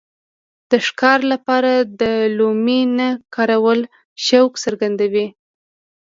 د ښکار لپاره د لومې نه کارول شوق څرګندوي.